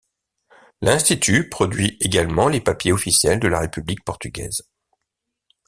L'institut produit également les papiers officiels de la République portugaise.